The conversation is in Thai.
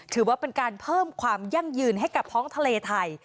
ถือว่าเป็นการเพิ่มความยั่งยืนให้กับท้องทะเลไทย